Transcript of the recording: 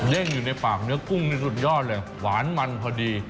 อยู่ในปากเนื้อกุ้งนี่สุดยอดเลยหวานมันพอดี